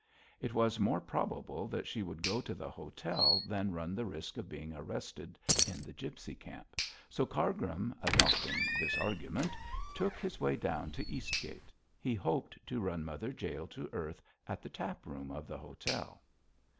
It was more probable that she would go to the hotel than run the risk of being arrested in the gipsy camp, so Cargrim, adopting this argument, took his way down to Eastgate. He hoped to run Mother Jael to earth in the tap room of the hotel.